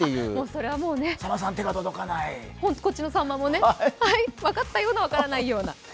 それはもうね、こっちのさんまもね分かったような分からないような。